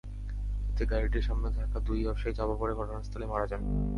এতে গাড়িটির সামনে থাকা দুই ব্যবসায়ী চাপা পড়ে ঘটনাস্থলেই মারা যান।